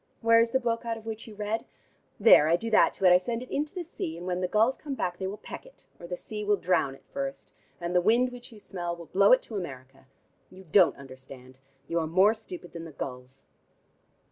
Where is the book out of which you read? There, I do that to it: I send it into the sea, and when the gulls come back they will peck it, or the sea will drown it first, and the wind which you smell will blow it to America. You don't understand: you are more stupid than the gulls."